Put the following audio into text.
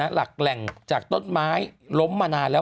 หลักแหล่งจากต้นไม้ล้มมานานแล้ว